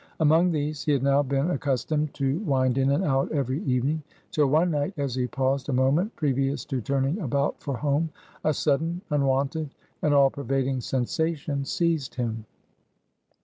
Among these he had now been accustomed to wind in and out every evening; till one night as he paused a moment previous to turning about for home, a sudden, unwonted, and all pervading sensation seized him.